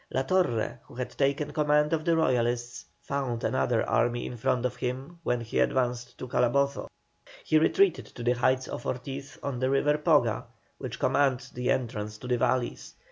La Torre, who had taken command of the Royalists, found another army in front of him when he advanced to Calabozo. He retreated to the heights of Ortiz on the river Poga, which command the entrance to the valleys.